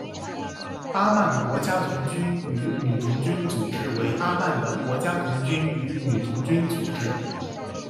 阿曼国家童军与女童军组织为阿曼的国家童军与女童军组织。